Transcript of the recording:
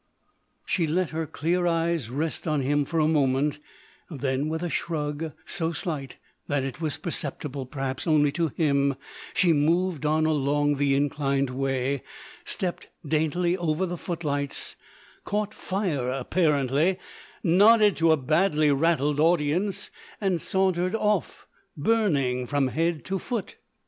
She let her clear eyes rest on him for a moment, then with a shrug so slight that it was perceptible, perhaps, only to him, she moved on along the inclined way, stepped daintily over the footlights, caught fire, apparently, nodded to a badly rattled audience, and sauntered off, burning from head to foot.